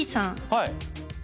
はい。